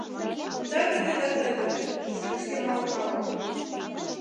Тыгыде да тыгыде, шикш йымал калык